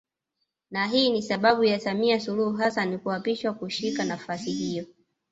Na hii ni baada ya Samia Suluhu Hassan kuapishwa kushika nafasi hiyo